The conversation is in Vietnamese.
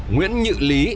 nguyễn nhự lý